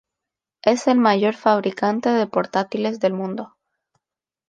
Es el mayor fabricante de portátiles del mundo.